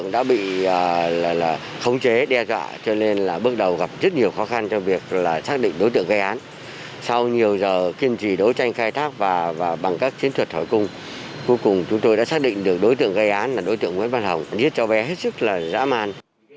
người đã xác định được đối tượng gây án là đối tượng nguyễn văn hồng giết cháu bé hết sức là dã man